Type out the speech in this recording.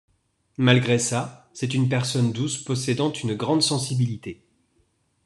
Malgré ça, c'est une personne douce possédant une grande sensibilité.